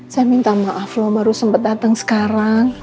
saya minta maaf loh baru sempat datang sekarang